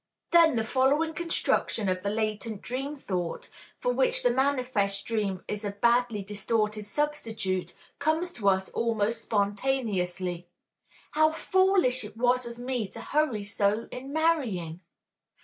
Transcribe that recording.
Then the following construction of the latent dream thought, for which the manifest dream is a badly distorted substitute, comes to us almost spontaneously: "How foolish it was of me to hurry so in marrying!